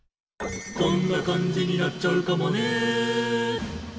「こんな感じになっちゃうかもね」